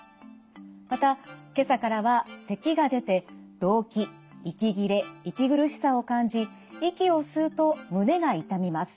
また今朝からはせきが出てどうき息切れ息苦しさを感じ息を吸うと胸が痛みます。